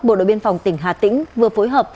bộ đội biên phòng tỉnh hà tĩnh vừa phối hợp